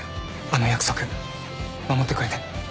あの約束守ってくれて